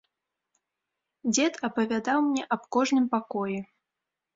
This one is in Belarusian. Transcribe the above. Дзед апавядаў мне аб кожным пакоі.